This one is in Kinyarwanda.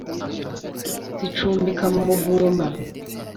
Zicumbika ku Muvumba